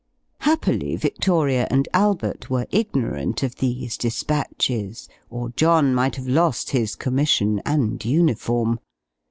Happily Victoria and Albert were ignorant of these despatches, or John might have lost his commission and uniform.